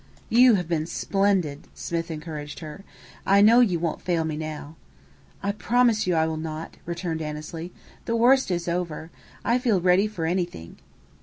"You have been splendid," Smith encouraged her. "I know you won't fail me now." "I promise you I will not!" returned Annesley. "The worst is over. I feel ready for anything."